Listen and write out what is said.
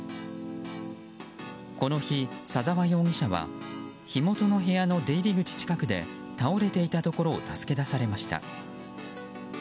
この日、左沢容疑者は火元の部屋の出入り口近くで倒れていたところを助け出されました。